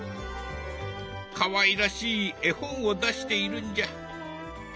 かわいらしい絵本を出しているんじゃ。